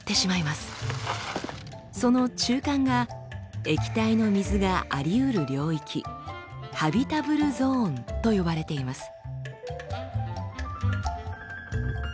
その中間が液体の水がありうる領域「ハビタブルゾーン」と呼ばれています。